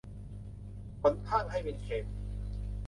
ฝนทั่งให้เป็นเข็ม